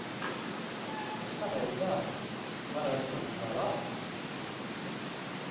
Es kavēju darbu. Varu aizpildīt vēlāk?